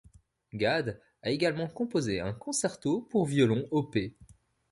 Gade a également composé un concerto pour violon, Op.